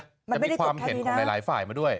จะมีความเห็นของหลายฝ่ายมาด้วย